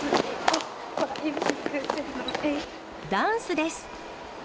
ダンスです。